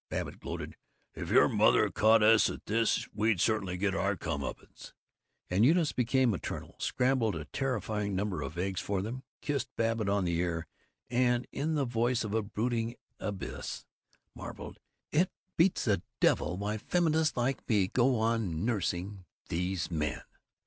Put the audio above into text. Babbitt gloated, "If your mother caught us at this, we'd certainly get our come uppance!" and Eunice became maternal, scrambled a terrifying number of eggs for them, kissed Babbitt on the ear, and in the voice of a brooding abbess marveled, "It beats the devil why feminists like me still go on nursing these men!"